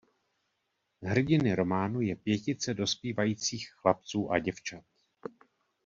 Hrdiny románu je pětice dospívajících chlapců a děvčat.